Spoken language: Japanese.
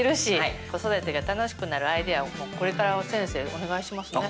子育てが楽しくなるアイデアをこれから先生お願いしますね。